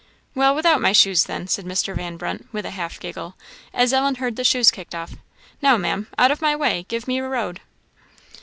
"Well, without my shoes, then," said Mr. Van Brunt, with a half giggle, as Ellen heard the shoes kicked off. "Now, Maam, out of my way! give me a road."